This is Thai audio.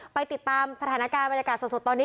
ไปติดตามสถานการณ์บรรยากาศสดตอนนี้